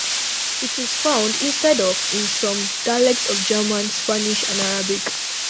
It is found instead of in some dialects of German, Spanish and Arabic.